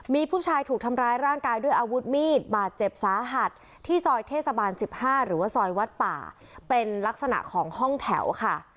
มีผู้ชายถูกทำร้ายร่างกายด้วยอาวุธมีดบาดเจ็บสาหัสที่ซอยเทศบาล๑๕หรือว่าซอยวัดป่าเป็นลักษณะของห้องแถวค่ะ